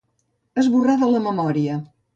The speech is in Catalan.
Esborrar de la memòria.